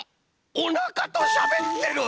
おなかとしゃべってる！